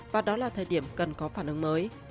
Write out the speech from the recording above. và đó là thời điểm cần có phản ứng mới